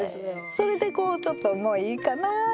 それでこうちょっともういいかなってまた。